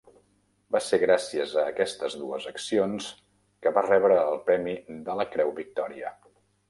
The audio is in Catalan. Va ser gràcies a aquestes dues accions que va rebre el premi de la Creu Victòria.